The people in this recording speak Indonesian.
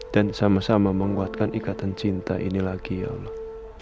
dan sama sama menguatkan ikatan cinta ini lagi ya allah